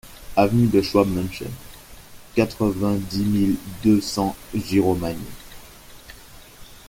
Avenue de Schwabmünchen, quatre-vingt-dix mille deux cents Giromagny